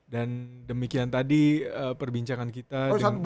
dan demikian tadi perbincangan kita